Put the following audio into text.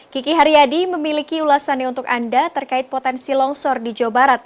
kiki haryadi memiliki ulasannya untuk anda terkait potensi longsor di jawa barat